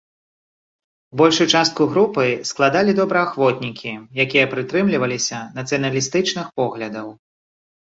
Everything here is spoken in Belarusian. Большую частку групы складалі добраахвотнікі, якія прытрымліваліся нацыяналістычных поглядаў.